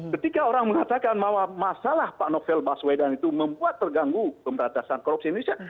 ketika orang mengatakan bahwa masalah pak novel baswedan itu membuat terganggu pemberantasan korupsi indonesia